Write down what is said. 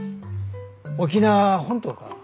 沖縄は本島か？